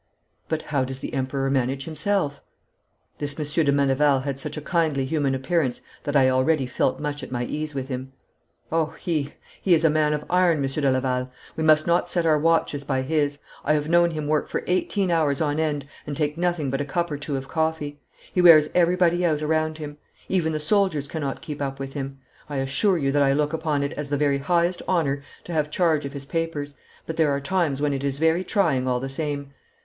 'But how does the Emperor manage himself?' I asked. This Monsieur de Meneval had such a kindly human appearance that I already felt much at my ease with him. 'Oh, he, he is a man of iron, Monsieur de Laval. We must not set our watches by his. I have known him work for eighteen hours on end and take nothing but a cup or two of coffee. He wears everybody out around him. Even the soldiers cannot keep up with him. I assure you that I look upon it as the very highest honour to have charge of his papers, but there are times when it is very trying all the same.